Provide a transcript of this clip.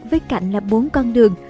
với cạnh là bốn con đường